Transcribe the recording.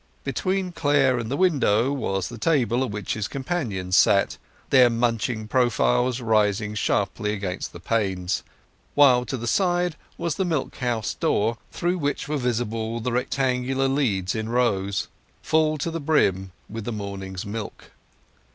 Between Clare and the window was the table at which his companions sat, their munching profiles rising sharp against the panes; while to the side was the milk house door, through which were visible the rectangular leads in rows, full to the brim with the morning's milk.